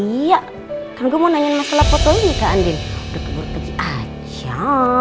iya kan gue mau nanya masalah foto ini kak andin udah keburu pergi aja